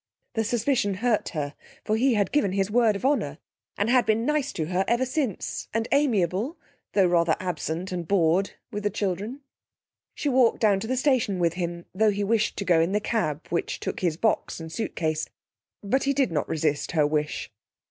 The suspicion hurt her, for he had given his word of honour, and had been nice to her ever since, and amiable (though rather absent and bored) with the children. She walked down to the station with him, though he wished to go in the cab which took his box and suit case, but he did not resist her wish.